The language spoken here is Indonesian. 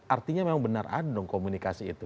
artinya memang benar ada dong komunikasi itu